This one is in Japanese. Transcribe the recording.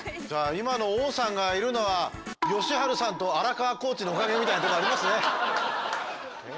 じゃあ今の王さんがいるのは禎春さんと荒川コーチのおかげみたいなとこありますね。